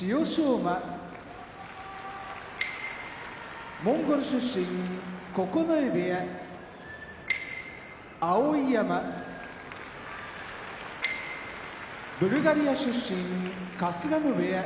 馬モンゴル出身九重部屋碧山ブルガリア出身春日野部屋